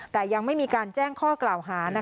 แต่ยังไม่มีการแจ้งข้อกล่าวหา